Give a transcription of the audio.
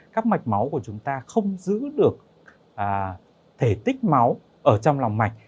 các mạch máu của chúng ta không giữ được thể tích máu ở trong lòng mạch